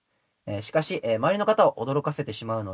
「しかし周りの方を驚かせてしまうので」